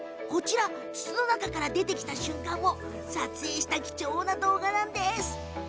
筒の中から出てきた瞬間を撮影した貴重な動画です。